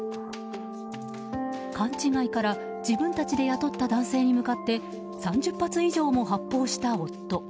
勘違いから自分たちで雇った男性に向かって３０発以上も発砲した夫。